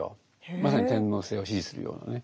まさに天皇制を支持するようなね。